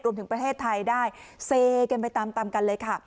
ถึงประเทศไทยได้เซกันไปตามตามกันเลยค่ะ